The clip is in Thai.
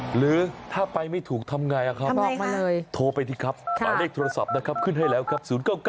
หรือถ้าไปไม่ถูกทำไงครับโทรไปสิครับหมายเลขโทรศัพท์นะครับขึ้นให้แล้วครับ